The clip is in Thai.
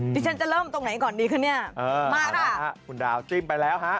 ดิฉันจะเริ่มตรงไหนก่อนเลยค่ะมาล่ะค่ะ